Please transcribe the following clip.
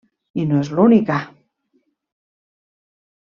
I no és l'única…